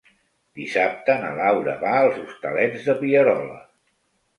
Dissabte na Laura va als Hostalets de Pierola.